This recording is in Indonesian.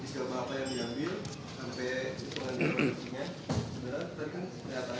berdasarkan perorbanan gas perhitungan